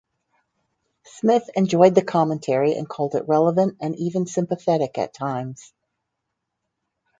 Smith enjoyed the commentary and called it "relevant and even sympathetic at times".